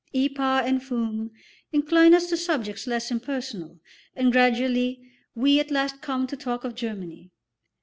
Ypres and Fumes incline us to subjects less impersonal, and gradually we at last come to talk of Germany.